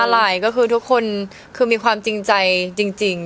น้ำตคู่และทุกคนคือมีความจริงใจจริง